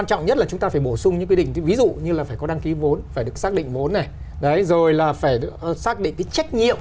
cái trách nhiệm bồi thường khi xài phạm